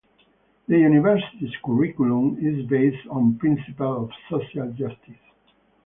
The university's curriculum is based on principles of social justice.